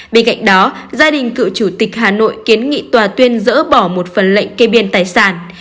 bên cạnh đó gia đình cựu chủ tịch hà nội kiến nghị tòa tuyên dỡ bỏ một phần lệnh kê biên tài sản